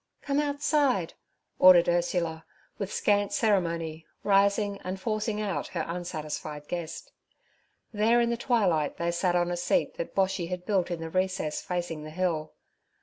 'Come outside' ordered Ursula, with scant ceremony rising and forcing out her unsatisfied guest. There in the twilight they sat on a seat that Boshy had built in the recess facing the hill.